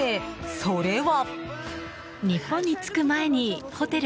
それは。